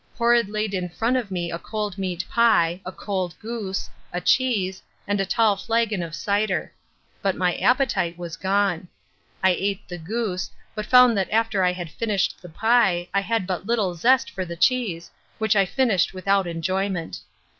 Horrod laid in front of me a cold meat pie, a cold goose, a cheese, and a tall flagon of cider. But my appetite was gone. I ate the goose, but found that after I had finished the pie I had but little zest for the cheese, which I finished without enjoyment.